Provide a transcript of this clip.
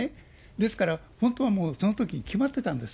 ですから、本当はもう、そのときに決まってたんです。